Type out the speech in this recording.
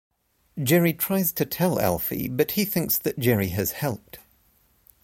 Gerry tries to tell Alfie but he thinks that Gerry has helped.